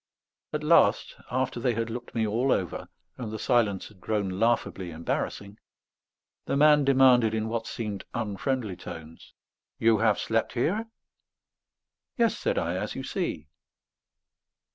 At last, after they had looked me all over, and the silence had grown laughably embarrassing, the man demanded in what seemed unfriendly tones: "You have slept here?" "Yes," said I. "As you see."